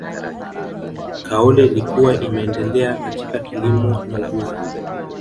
kaole ilikuwa imeendelea katika kilimo na uvuvi